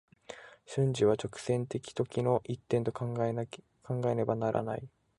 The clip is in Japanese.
瞬間は直線的時の一点と考えねばならない。